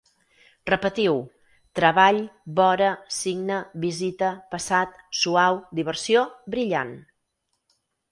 Repetiu: treball, vora, signe, visita, passat, suau, diversió, brillant